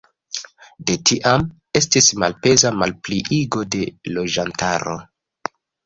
De tiam, estis malpeza malpliigo de loĝantaro.